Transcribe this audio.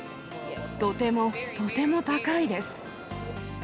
とてもとても高いです。